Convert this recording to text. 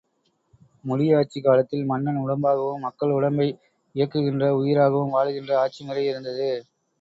முடி ஆட்சிக் காலத்தில் மன்னன் உடம்பாகவும் மக்கள் உடம்பை இயக்குகின்ற உயிராகவும் வாழுகின்ற ஆட்சிமுறை இருந்தது.